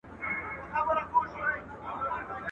انسان بې وزره مرغه دئ.